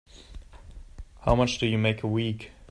How much do you make a week?